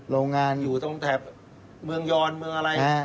โรงงานอยู่ตั้งแต่เมืองยอนเมืองอะไร